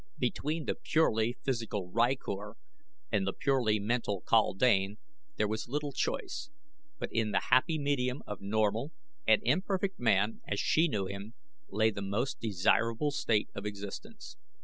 Between the purely physical rykor and the purely mental kaldane there was little choice; but in the happy medium of normal, and imperfect man, as she knew him, lay the most desirable state of existence.